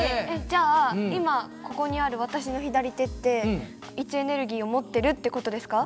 じゃあ今ここにある私の左手って位置エネルギーを持ってるって事ですか？